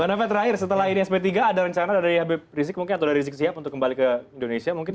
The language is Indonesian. mbak nova terakhir setelah ini sp tiga ada rencana dari habib rizik mungkin atau dari rizik sihab untuk kembali ke indonesia mungkin